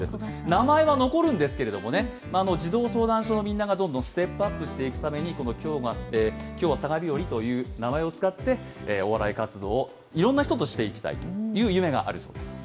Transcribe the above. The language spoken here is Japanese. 名前は残るんですけども、児童相談所のみんながどんどんステップアップしていくために今日もさが日和という名前を使ってお笑い活動をいろんな人としていきたいという夢があるそうです。